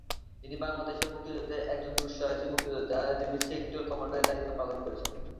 তিনি বাংলাদেশের মুক্তিযুদ্ধের একজন দুঃসাহসী মুক্তিযোদ্ধা যিনি সেক্টর কমান্ডারের দায়িত্ব পালন করেছেন।